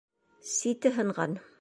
Сите һынған!